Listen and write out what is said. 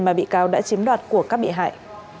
mà bị cáo đã chiếm đoạt của các bị hại